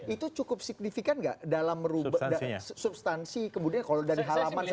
itu cukup signifikan gak dalam substansi kemudian kalau dari halaman saja